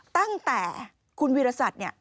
ตั้งแต่คุณวิรสัตย์